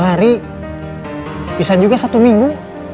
dua hari bisa juga satu minggu